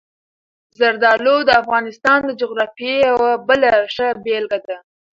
زردالو د افغانستان د جغرافیې یوه بله ښه بېلګه ده.